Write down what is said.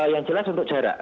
yang jelas untuk jarak